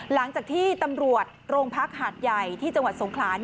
หลังจากที่ตำรวจโรงพักหาดใหญ่ที่จังหวัดสงขลา